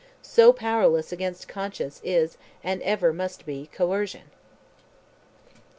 So powerless against conscience is and ever must be coercion!